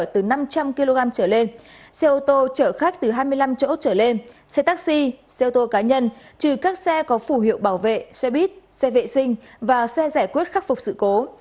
từ năm trăm linh kg trở lên xe ô tô chở khách từ hai mươi năm chỗ trở lên xe taxi xe ô tô cá nhân trừ các xe có phủ hiệu bảo vệ xe buýt xe vệ sinh và xe giải quyết khắc phục sự cố